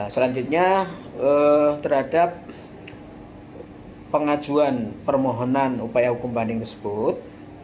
selanjutnya terhadap pengajuan permohonan upaya hukum banding tersebut